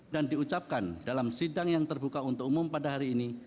dan diucapkan dalam sidang yang terbuka untuk umum pada hari ini